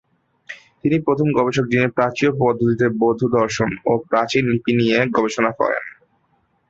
তিনিই প্রথম গবেষক যিনি প্রাচ্যীয় পদ্ধতিতে বৌদ্ধ দর্শন ও প্রাচীন লিপি নিয়ে গবেষণা করেন।